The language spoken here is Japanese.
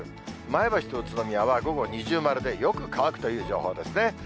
前橋と宇都宮は午後二重丸で、よく乾くという情報ですね。